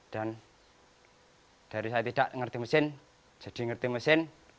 dan dari saya tidak ngerti mesin jadi ngerti mesin